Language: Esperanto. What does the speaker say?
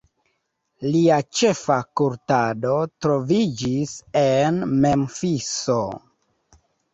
Lia ĉefa kultado troviĝis en Memfiso.